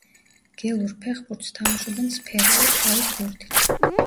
გელურ ფეხბურთს თამაშობენ სფერული, ტყავის ბურთით.